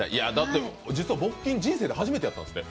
木琴、人生で初めてやったんですって。